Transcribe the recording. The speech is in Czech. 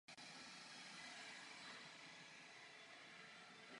Podle našeho názoru nebude možné tímto způsobem nadále fungovat.